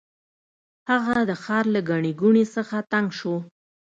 هغه د ښار له ګڼې ګوڼې څخه تنګ شو.